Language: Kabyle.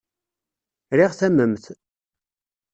Riɣ tamemt.